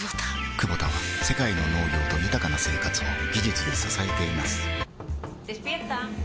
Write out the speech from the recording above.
クボタは世界の農業と豊かな生活を技術で支えています起きて。